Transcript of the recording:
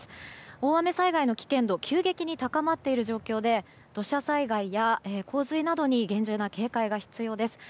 大雨災害の危険度急激に高まっている状況で土砂災害や洪水などに厳重な警戒が必要です。